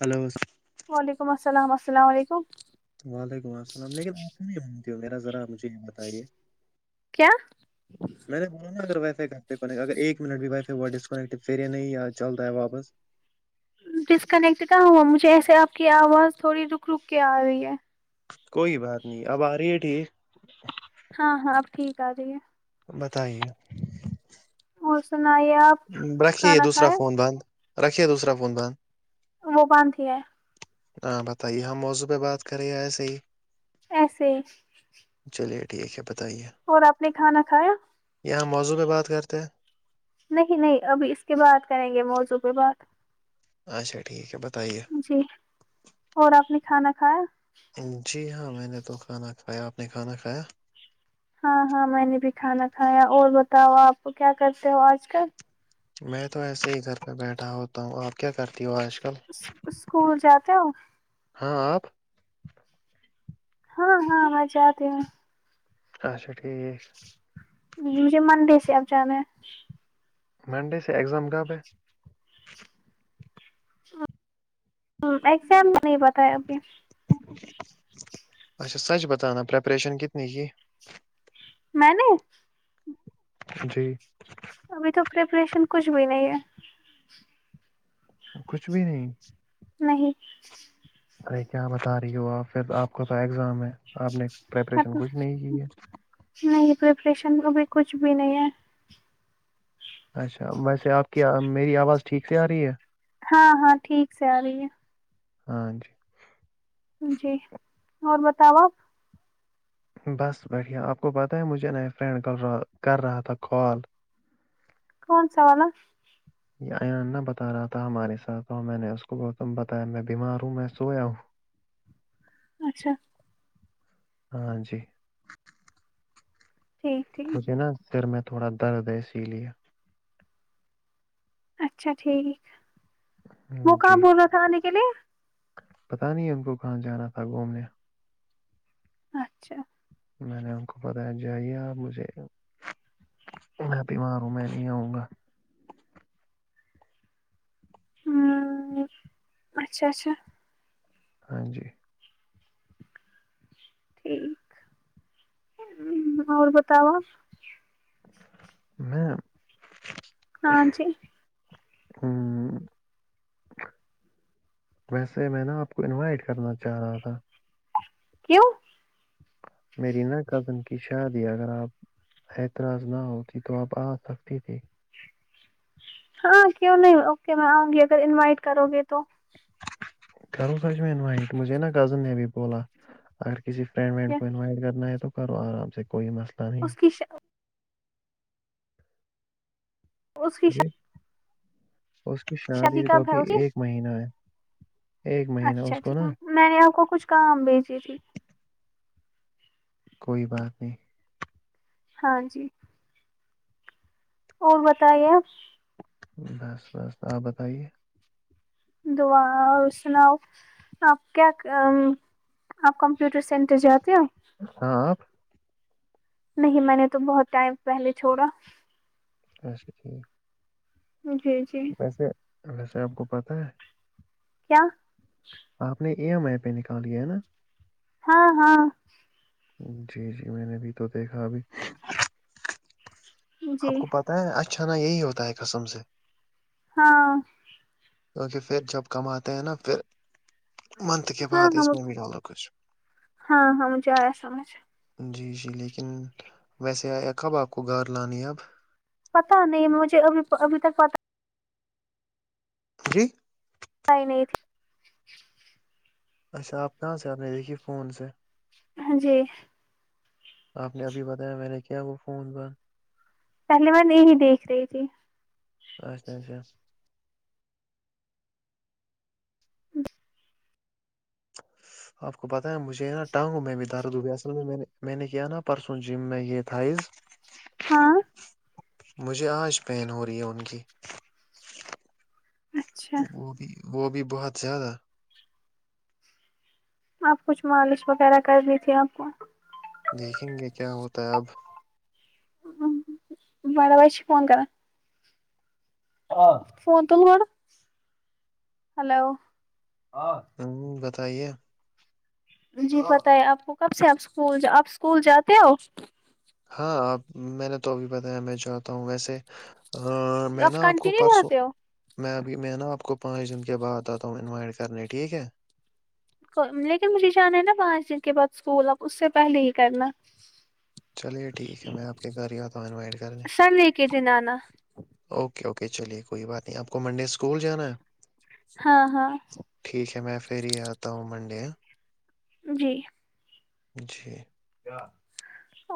hello وعلیکم السلام السلام علیکم وعلیکم السلام لیکن آپ کہ نہیں مانتی میرا ذرا مجھے یہ بتائیے کیا ج میں نے بولوں نا اگر وائی فائی کہتےنٹ اگر ایک منٹ بھی وائی فائی ڈسکنیکٹ پیرے نہیں چلتا ہے واپس ڈسکنیکٹ نہ ہوا مجھے ایسے آپ کی آواز تھوڑی رک رک کے آ رہی ہے کوئی بات نہیں اب آ رہی ہے ٹھیک ہاں ہاں آپ ٹھیک آ رہائیے بتائیے اور سنایا رکھیے دوسرا فون باند رکھیے دوسرا فون باند وہ بان تھی ہے ہاں بتائیے ہم موضوع پہ بات کر رہے ہیں ایسے ہی ایسے [unintelligible] چلیے ٹھیک ہے بتائیے اور آپ نے کھانا کھایا یہاں موضوعہ بات کرتے ہیں نہیں نہیں ابھی اس کے بعات کریں گے موضوع پہ بات اچھا ٹھیک ہے بتائیے جی اور آپ نے کھانا کھایا جی ہاں میں نے تو کھانا کھایا آپ نے کھانا کھایا ہاں ہاں میں نے بھی کھانا کھایا اور بتاؤ آپ کیا کرتے ہو آج کل میں تو ایسے ہی گھر پہ بیٹھا ہو بتا ہوں آپ کیا کرتی ہو آج کل اسکول جاتے ہو ہاں آپ ہاں ہاں مزہ آتی ہ اچھا ٹھیک مجھے مندی سے آب جانا ہے منڈے سے ایگزام کب ہے ہ ایگزام نہیں بتایا ابھی [unintelligible] اچھا سچ بتانا پریپریشن کتنی کی میں نے جی [unintelligible] ابھی تو پریپریشن کچھ بھی نہیں ہے کچھ بھی نہیں [unintelligible] نہیں [unintelligible] ارے کیا بتا رہی ہو پھر آپ کو تو ایگزام ہے آپ نے پریپریشن کچھ نہیں کی ہے نہیں پریپریشن ابھی کچھ بھی نہیں ہے اچھا ویسے آپ کی میری آواز ٹھیک سے آ رہی ہے ہاں ہاں ٹھیک سے آ رہی ہے ہاں جی [unintelligible] جی اور بتاو آ بس بٹھیا آپ کو پتاہ ہے مجھے ن ایک فرینڈ کا کر رہا تھا کال کون سا والا یہ ایان نہ بتا رہا تھا ہمارے ساتھ اور میں نے اس کو بتایا میں بیمار ہوں میں سویا ہوں اچھا ہاں جی ٹھیک ٹھیک مجھے نا سر میں تھوڑا درد ہے اسی لے اچھا ٹھیک وہ کہاں بلاا تھا آنے کے لیے پتہ نہیں ان کو کہاں جانا تھا گھومنے اچھا میں نے ان کو بتایا جیے آپ مجھے میں ت مار ہ میں نہیں آؤں گا ہ اچھا اچھا ہاں جی ٹھیک اور بتاؤ آپ میں ہان جی ہوں ویسے میں نا آپ کو انوائٹ کرنا چاہ رہا تھا کیو میری نا کزن کی شادی اگر آپ اعتراض نہ ہوتی تو اپ آ سکتی تھی ہاں کیوں نہیں اوکے میں آؤں گی اگر انوائٹ کرو گے تو کروں سر انوٹ مجھے نا کزن نے بھی بولا اگر کسی فرینڈ وڈ کو انوائٹ کرنا ہے تو کرو آام سے ک کوئی مسلہ اس کی اس کی ہے ش جی اس کی شادی شادیر کو کب ہے بھی اس کی ایک مہینہ ہے ایک مہینہ اچھا اس کو ٹھیک نا میں نے آپ کو کچھ کام بھیجی تھی کوئی بات نہیں ہاں جی اور بتائیے بس بس آپ بتائیے دا اور سناؤ آپ کیا آپ کمپیوٹر سینٹر جاتے ہو ہاں نہیں میں نے تو بہت ٹائم پہلے چھوڑا اچھا ٹھیک جی جی جیسے ویسے آپ کو پتاہ ہے کیا آپ نے ای ایم آئی پہ نکالیا ہے نا ہاں ہاں جی جی میں نے بھی تو دیکھا ابھی جی آپ کو پتا اچھا نہا یہی ہوتا ہے قسم سے ہاں کیونکہ پھر جب کماتے ہیں نا پھر منت کے ہاں بعد اس ہاں ممی ڈالو ہاں ہاں مجھے آیا سمجھ جی جی لیکن ویسے آیا کب آپ کو گار لانی ہے اب پتا نہیں مجھے ابھی ابھی تک پتا جی نہیں نہیں تھی اچھا آپ کہاں سے آنے دیکھیے فون سے ہاں جی آپ نے ابھی بتایا میں نے کیا وہ فون ب پہلی مان یہی دیکھ رہی تھی اچھا اچھا [unintelligible] آپ کو پتاہ ہے مجھے ہے نا ٹانگوں میں بھی درد ہوئے اصل میں میں نے میں نے کیا نا پرسوں جم میں یہ تھاز اچا ہاں مجھے آج پین ہو رہی ہے ان کی اچھا وہ بھی وہ بھی بہت زیادہ آپ کچھ مالش وغیرہ کرنی تھی آپ کو دیکھیں گے کیا ہوتا ہے اب بارا بائیش فون کر فون ت ہلو ہوں بتائیے جی پت ہے آپ کو کب سے آپکول آپ اسکول جاتے ہو ہاں آپ میں نے تو ابھی بتایا میں چاہتا ہوں ویسے میں نا آپ کو کنٹینیو پرسوں جاتے ہو میں ابھی میں نا آپ کو پانچ دن کے بعد آتا ہوں انوائٹ کرنے ٹھیک ہے لیکن مجھے جانا ہے نا پانچ دن کے بعد اسکول ا اس سے پہلے ہی کرنا چلیے ٹھیک ہے میں آپ کے گھر ہی آتا ہوں انوائٹ کرنے سنڈے کے دن آنا اوکے اوکے چلیے کوئی بات نہیں آپ کو منڈے اسکول جانا ہے ہاں ہاں ٹھیک ہے میں پھر ہی آتا ہوں منڈے جی جی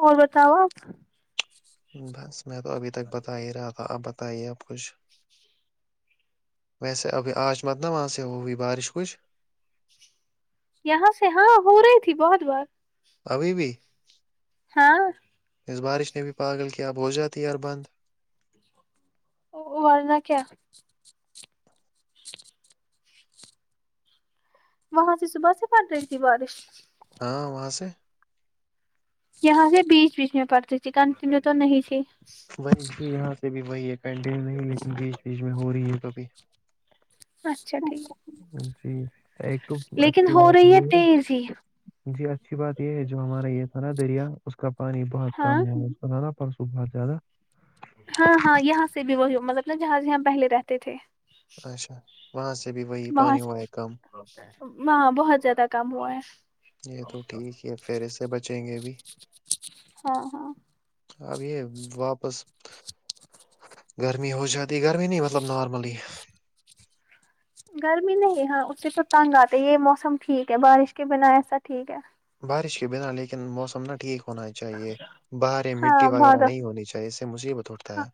اور بتاؤ آپ بس میں تو ابھی تک بتا ہی رہا تھا اب بتائیے اب کچھ ویسے ابھی آج مت نہ وہاں سے ہو ہوئی بارش کچھ یہاں سے ہاں ہو رہی تھی بہت بار ابھی بھی ہاں اس بارش نے بھی پاگل کیا اب ہو جاتے ار بند ورنہ کیا وہاں سے صبح سے پڑ رہی تھی بارش ہاں وہاں سے یہاں سے بیچ بیچ میں پڑتی تھی کن تم میں تو نہیں تھی وہی جی یہاں سے بھی وہی ہے کنٹین نہیں لیکن بیچ بیچ میں ہو رہی ہے تو بھی اچھا ٹھیک جی ایک تو لیکن اچھی ہو بات رہی یہ ہے تیز ہی جی اچھی بات یہ ہے جو ہمارا یہ تھا نا دریا اس کا پانی بہت ہاں کم ہوا سنارا پرسو بہت زیادہ ہاں ہاں یہاں سے بھی وہی مطلب جہاں جاں پہلے رہتے تھے اچھا وہاں سے بھی وہی وہاں پانی سے ہوا ہے کم ہاں بہت زیادہ کم ہوا ہے یہ تو ٹھیک ہے پھر اس سے بچیں گے بھی ہاں ہاں اب یہ واپس گرمی ہو جاتی گرمی نہیں مطلب نارملی گرمی نہیں ہاں ا سے تو تنگ آتے یہ موسم ٹھیک ہے بارش کے بنا ایسا ٹھیک ہے بارش کے بنا لیکن موس نہ ٹھیک ہو ہونا چاہیے باہر مٹی ہاں وغیرہ بادل نہیں ہونی چاہیے اس سے مصیبت اٹھتا ہاں ہے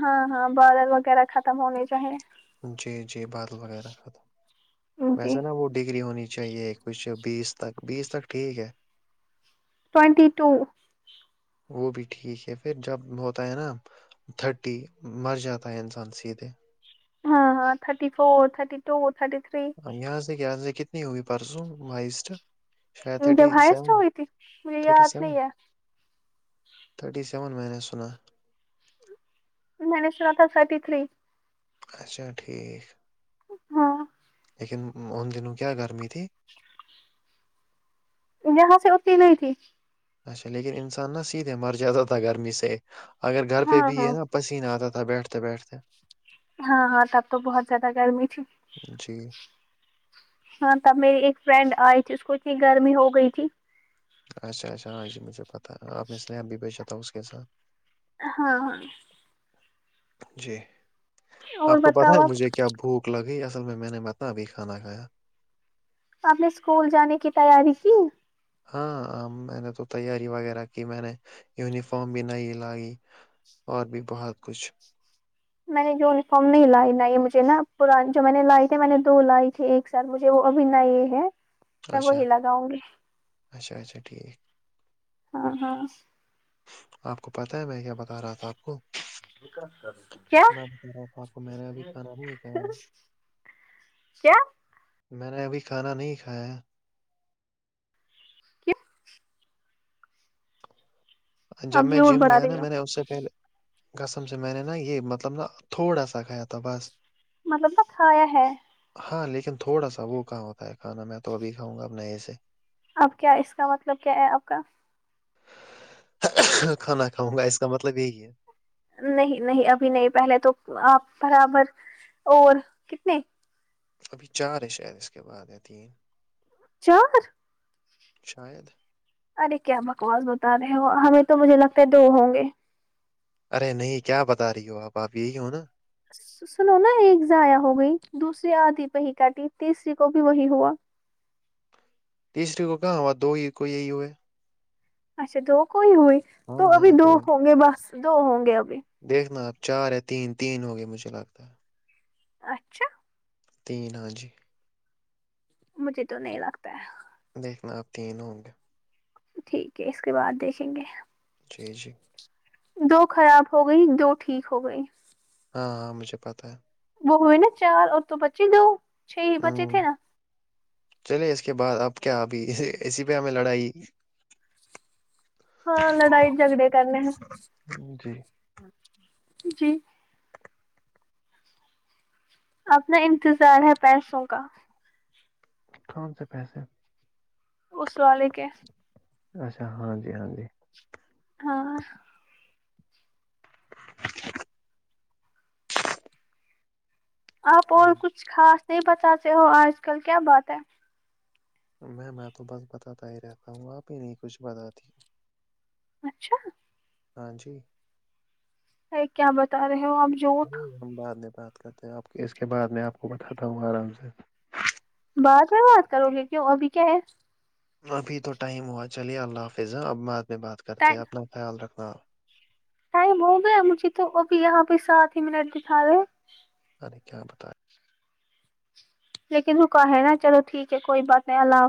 ہاں ہاں بادل وغیرہ ختم ہونے چاہیں جی جی باد وغیرہ ختم جی ویسا نا وہ ڈگری ہونی چاہیے ایک پچھ بیس تک بیس تک ٹھیک ہے ٹوینٹی ٹو وہ بھی ٹھیک ہے پھر جب ہوتا ہے نا تھٹی مر جاتا ہے انسان سیدیدے ہاں ہاں thirty four thirty two thirty three یہاں سے کہاں سے کتنی ہوئی پرسوں مسٹ شاید تھرٹی جب ہائیسٹ سیون ہوئی تھی مجھے تھرٹی یاد سیون نہیں ہے تھرٹی سیون میں نے سنا میں نے شوا تھا سرٹی تھری اچھا ٹھیک ہاں لیکن ان دنوں کیا گرمی تھی یہاں سے اتی نہیں تھی اچھا لیکن انسان نا سیدھے مر جاتا تھا گرمی سے اگر گھر ہاں پہ بھی ہے ہاں نا پسینہ آتا تھا بیٹھتے بیٹھتے ہاں ہاں تب تو بہت زیادہ گرمی تھی جی ہاں تب میری ایک فرینڈ آئی تھی اس کو اتنی گرمی ہو گئی تھی اچھا اچھا ہاں جی مجھے پتا ہے آپ نے سنیپ بھی بھیجا تھا اس کے ساتھ ہاں ہاں جی اور آپ کو پتہ بتاؤ ہے آپ مجھے کیا بھوک لگی اصل میں میں نے بتا ابھی کھا کھیا آپ نے اسکول جانے کی تیاری کی ہاں میں نے تو تیاری وغیرہ کی میں نے یونیفارم بھی نہیں لائی اور بھی بہت کچھ میں نے یونیفارم نہیں لائی بائی مجھے نا پرانی جو میں نے لائے تھے میں نے دو لائی تھی ایک ثر مجھے وہ ابھی نئی ہے میں وہی اچھا لگاؤں گی اچھا اچھا ٹھیک ہاں ہاں آپ کو پتہ ہے میں کیا بتا رہا تھا آپ کو کیا میں بتا رہا تھا آپ کو میں نے ابھی کھانا نہیں کھایا کیا میں نے ابھی کھانا نہیں کھایا کیو جب آپ میں جھوٹ جم بتا گیا نا رہی ہو میں نے اس سے پہلے کسم سے میں نے نا یہ مطلب نا تھوڑا سا کھایا تھا بس مطلب کے کھایا ہے ہاں لیکن تھوڑا سا وہ کہاں ہوتا ہے کھانا میں تو ابھی کاؤں گا اب نئے سے اب کیا اس کا مطلب کیا ہے آپ کا کھانا کھاؤں گا اس کا مطلب یہی ہے نہیں نہیں ابھی نہیں پہلے تو آپ برابر اور کتنے ابھی چار ہے شاید اس کے بعد یا تین چار شاید ارے کیا بکواس بتا رہے ہو ہمیں تو مجھے لگتا ہے دو ہوں گے ارے نہیں کیا بتا رہی ہو آپ آپ یہی ہو نا سنو نا ایک ضائع ہو گئی دوسری آدھی پہ ہی کاٹی تیسری کو بھی وہی ہوا تیسری کو کہاں ہو دو ہی کو یہی ہو ہے اچھا دو کوئی ہوئی تو ابھی دو ہوں گے بس دو ہوں گے ابھی دیکھنا آپ چار ہے تین تین ہونگے مجھے لگتا ہے اچھا تین ہاں جی مجھے تو نہیں لگتا ہے دیکھنا آپ تین ہوں گے ٹھیک ہے اس کے بعد دیکھیں گے جی جی دو خراب ہو گئی دو ٹھیک ہو گئی ہاں ہاں مجھے پتا ہے وہ ہوئی نا چار اور تو بچے دو چھ ہی بچے تھے نا چلے اس کے بعد اب کیا ابھی اسی پہ ہمیں لڑائی ہاں لڑائی جھگڑے کرنے ہیں جی اپنا انتظار ہے پیسوں کا کون سے پیسے اس والے کے اچھا ہاں جی ہاں جی ہاں آپ اور کچھ خاص نہیں بتااتے ہو آج کل کیا بات ہے میں میں تو بس بتاتا ہی رہتا ہوں آپ ہی نہیں کچھ بتاتی اچھا ہاں جی کیا بتا رہے ہو آپ ار جھوٹ ہم بعد میں بات کرتے ہیں آپ اس کے بعد میں آپ کو بتاتا ہوں آرام سے بع میں بات کرو گے کیوں ابھی کیا ہے ابھی تو ٹائم ہوا چلیے اللہ حافظ اب بعد میں بات کرتے ہیں اپنا خیال رکھنا ٹائم ہو گیا مجھے تو ابھی یہاں بھیہ سات ہی منٹ دکھا دے عنی کیا بت لیکن وہکا ہے نا چلو ٹھیک ہے کوئی بات نہیں اللہف